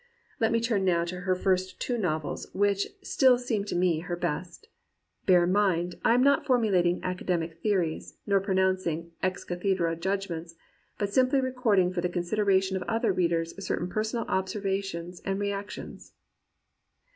Let me turn now to her first two novels, which still seem to me her best. Bear in mind, I am not formulating academic theories, nor pronouncing ex cathedra judgments, but simply recording for the consideration of other readers certain personal ob servations and reactions.